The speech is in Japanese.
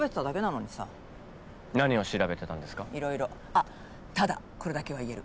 あっただこれだけは言える。